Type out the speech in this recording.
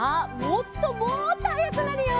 もっともっとはやくなるよ！